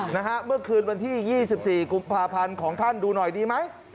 เมื่อคืนวันที่๒๔กุมภาพันธ์ของท่านดูหน่อยดีไหม